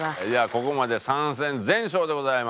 ここまで３戦全勝でございます。